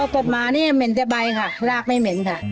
กฎหมายนี่เหม็นแต่ใบค่ะรากไม่เหม็นค่ะ